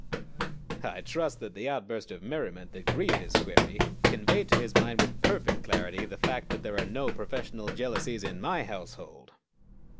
_" I trust that the outburst of merriment that greeted his query conveyed to his mind with perfect clarity the fact that there are no professional jealousies in my household.